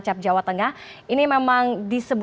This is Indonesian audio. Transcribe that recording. nah residennya contohnya apa